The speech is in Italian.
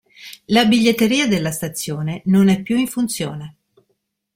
La biglietteria della stazione non è più in funzione.